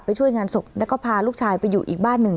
ช่วยงานศพแล้วก็พาลูกชายไปอยู่อีกบ้านหนึ่ง